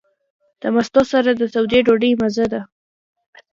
د مستو سره د تودې ډوډۍ مزه.